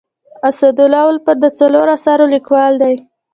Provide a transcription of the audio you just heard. اسدالله الفت د څلورو اثارو لیکوال دی.